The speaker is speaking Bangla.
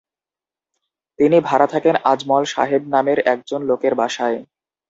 তিনি ভাড়া থাকেন আজমল সাহেব নামের একজন লোকের বাসায়।